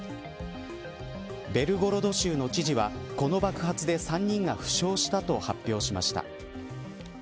ベルゴロド州の知事はこの爆発で３人が負傷したと発表しました。